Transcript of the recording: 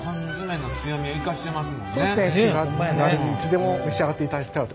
手軽にいつでも召し上がっていただけたらと。